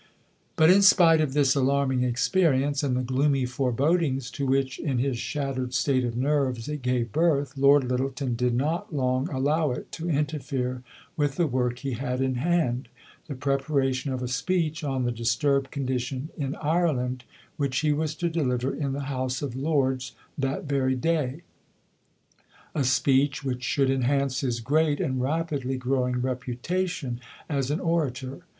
But in spite of this alarming experience and the gloomy forebodings to which, in his shattered state of nerves, it gave birth, Lord Lyttelton did not long allow it to interfere with the work he had in hand, the preparation of a speech on the disturbed condition in Ireland which he was to deliver in the House of Lords that very day a speech which should enhance his great and rapidly growing reputation as an orator.